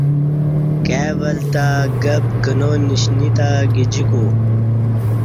کای ول تہ گہ پکنا نشنی تہ گجیکو